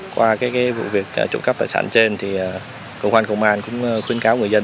qua cái vụ việc trộm cắp tài sản trên thì công an công an cũng khuyến cáo người dân